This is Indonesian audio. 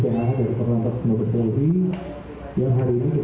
kami sudah bekerja sama dengan tim traffic accident analysis